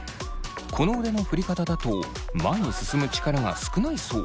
この腕の振り方だと前に進む力が少ないそう。